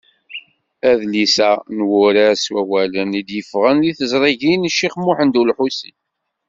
Adlis-a n wurar s wawalen, i d-yeffɣen di teẓrigin n Ccix Muḥend Ulḥusin.